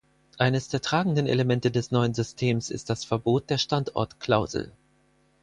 Eines der tragenden Elemente des neuen Systems ist das Verbot der Standortklausel.